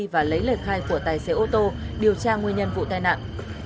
và lấy lời khai của tài xế ô tô điều tra nguyên nhân vụ tai nạn